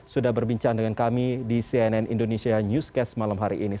sudah berbincang dengan kami di cnn indonesia newscast malam hari ini